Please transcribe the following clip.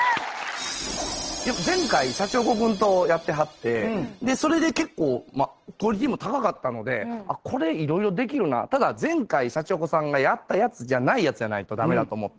前回シャチホコ君とやってはってそれで結構クオリティーも高かったのでこれ色々できるなただ前回シャチホコさんがやったやつじゃないやつじゃないと駄目だと思って。